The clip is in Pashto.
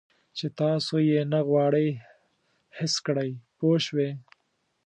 چې تاسو یې نه غواړئ حس کړئ پوه شوې!.